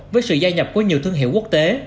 và gia nhập có nhiều thương hiệu quốc tế